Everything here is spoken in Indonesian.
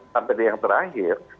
sampai di yang terakhir